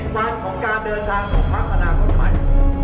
วันของการเดินทางของพักอนาคตใหม่